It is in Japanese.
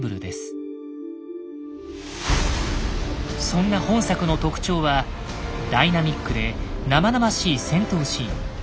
そんな本作の特徴はダイナミックで生々しい戦闘シーン。